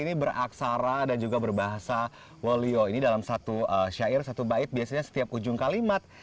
ini beraksara dan juga berbahasa wolio ini dalam satu syair satu bait biasanya setiap ujung kalimat